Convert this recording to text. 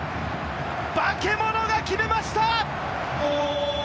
化け物が決めました！